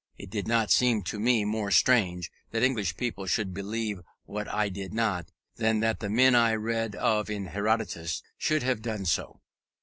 It did not seem to me more strange that English people should believe what I did not, than that the men I read of in Herodotus should have done so.